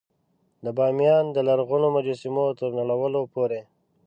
د بامیان د لرغونو مجسمو تر نړولو پورې.